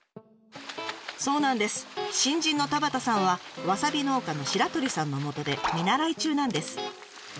新人の田端さんはわさび農家の白鳥さんのもとで見習い中なんです。